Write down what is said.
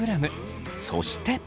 そして。